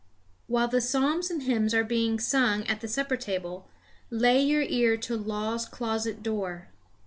While the psalms and hymns are being sung at the supper table, lay your ear to Law's closet door.